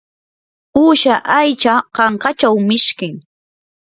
uusha aycha kankachaw mishkim.